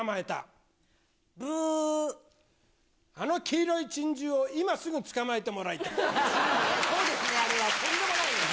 あの黄色い珍獣を今すぐ捕まそうですね、あれはとんでもないです。